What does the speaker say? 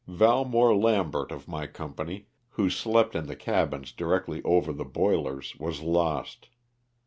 Valmore Lambert of my company who slept in the cabins directly over the boilers was lost.